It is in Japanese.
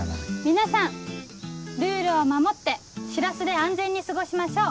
皆さんルールを守って「しらす」で安全に過ごしましょう。